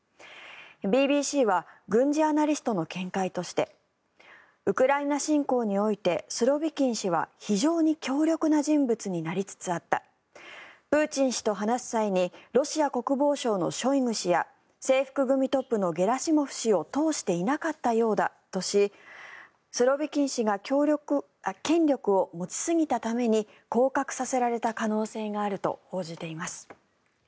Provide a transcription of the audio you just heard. ＢＢＣは軍事アナリストの見解としてウクライナ侵攻においてスロビキン氏は非常に強力な人物になりつつあったプーチン氏と話す際にロシア国防省のショイグ氏や制服組トップのゲラシモフ氏を通していなかったようだとしスロビキン氏が権力を持ちすぎたために降格された可能性があると報じています。